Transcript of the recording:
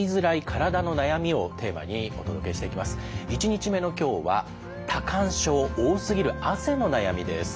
１日目の今日は多汗症多すぎる汗の悩みです。